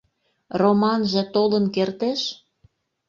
Романже толын кертеш?